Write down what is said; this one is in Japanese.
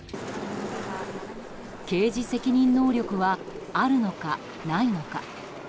刑事責任能力はあるのか、ないのか。